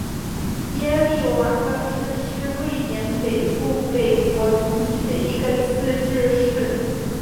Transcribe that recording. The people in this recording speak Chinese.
耶利瓦勒市是瑞典北部北博滕省的一个自治市。